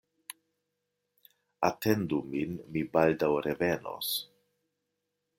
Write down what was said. Atendu min, mi baldaŭ revenos.